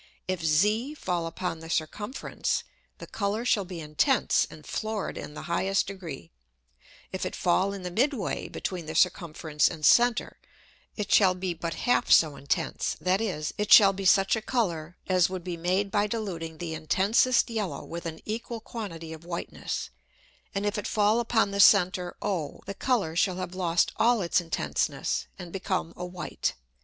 If Z fall upon the Circumference, the Colour shall be intense and florid in the highest Degree; if it fall in the mid way between the Circumference and Center, it shall be but half so intense, that is, it shall be such a Colour as would be made by diluting the intensest yellow with an equal quantity of whiteness; and if it fall upon the center O, the Colour shall have lost all its intenseness, and become a white.